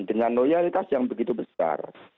dengan loyalitas yang begitu besar